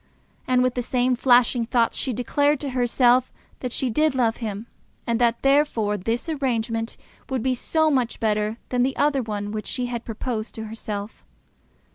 And with the same flashing thoughts she declared to herself that she did love him, and that therefore this arrangement would be so much better than that other one which she had proposed to herself.